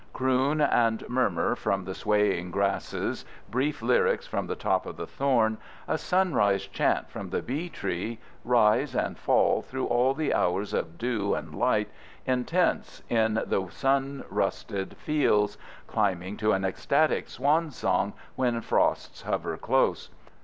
Croon and murmur from the swaying grasses, brief lyrics from the top of the thorn, a sunrise chant from the bee tree, rise and fall through all the hours of dew and light, intense in the sun rusted fields, climbing to an ecstatic swan song when frosts hover close.